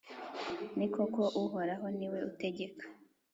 ni koko, uhoraho ni we utegeka,